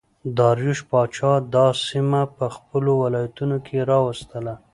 داریوش پاچا دا سیمه په خپلو ولایتونو کې راوستله